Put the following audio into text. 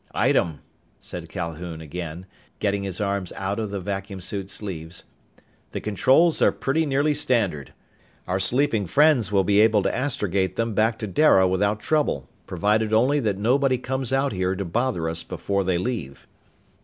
"Item," said Calhoun again, getting his arms out of the vacuum suit sleeves. "The controls are pretty nearly standard. Our sleeping friends will be able to astrogate them back to Dara without trouble, provided only that nobody comes out here to bother us before they leave."